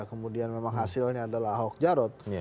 kemudian memang hasilnya adalah ahok jarot